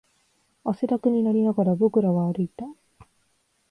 汗だくになりながら、僕らは歩いた